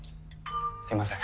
すいません。